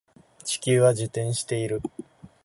地球は自転している